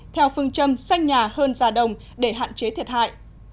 theo phương châm xanh nhà hơn già đồng để hạn chế thiệt hại